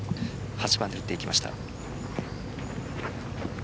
８番で打っていきました。